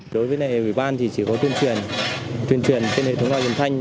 đối với này ủy ban thì chỉ có tuyên truyền trên hệ thống giao dân thanh